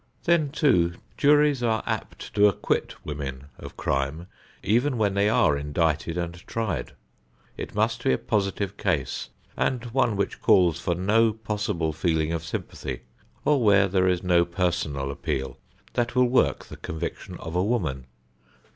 Then too, juries are apt to acquit women of crime even when they are indicted and tried. It must be a positive case and one which calls for no possible feeling of sympathy or where there is no personal appeal that will work the conviction of a woman.